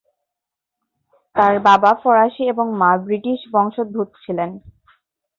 তার বাবা ফরাসি এবং মা ব্রিটিশ বংশোদ্ভূত ছিলেন।